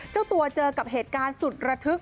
เจ้าตัวเจอกับเหตุการณ์สุดระทึก